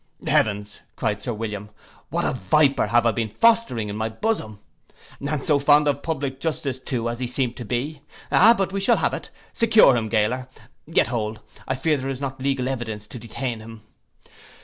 'Heavens,' cried Sir William, 'what a viper have I been fostering in my bosom! And so fond of public justice too as he seemed to be. But he shall have it; secure him, Mr Gaoler—yet hold, I fear there is not legal evidence to detain him.